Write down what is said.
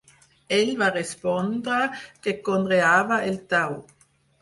Ell va respondre que conreava el Tao.